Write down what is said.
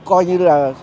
coi như là